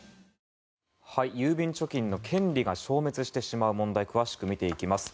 郵便貯金の権利が消滅してしまう問題詳しく見ていきます。